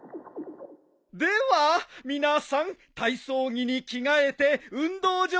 では皆さん体操着に着替えて運動場に出てください。